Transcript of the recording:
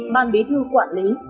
ban bí thư quảng